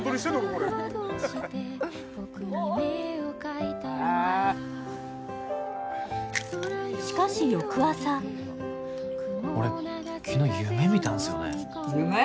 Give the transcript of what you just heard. これってしかし翌朝俺昨日夢見たんすよね夢？